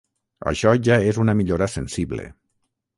Això ja és una millora sensible.